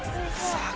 ・さあ